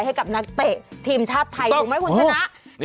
ให้กับนักเตะทีมชาติไทยถูกไหมคุณชนะ